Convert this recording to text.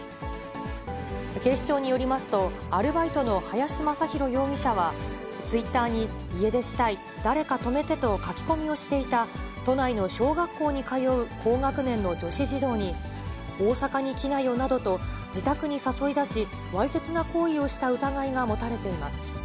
警視庁によりますと、アルバイトの林政広容疑者は、ツイッターに、家出したい、誰か泊めてと書き込みをしていた都内の小学校に通う高学年の女子児童に、大阪に来なよなどと自宅に誘い出し、わいせつな行為をした疑いが持たれています。